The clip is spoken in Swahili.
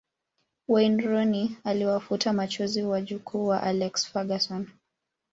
Wayne Rooney aliwafuta machozi wajukuu wa Alex Ferguson